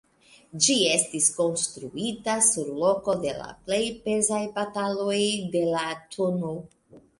Ĝi estis konstruita sur loko de la plej pezaj bataloj de la tn.